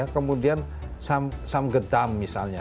kemudian samgetang misalnya